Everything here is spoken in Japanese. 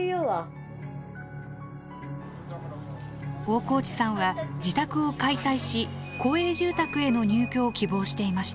大河内さんは自宅を解体し公営住宅への入居を希望していました。